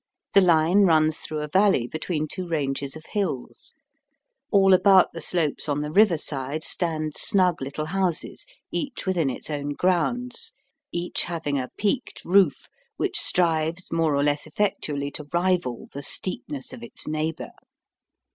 The line runs through a valley between two ranges of hills. All about the slopes on the river side stand snug little houses, each within its own grounds, each having a peaked roof, which strives more or less effectually to rival the steepness of its neighbour.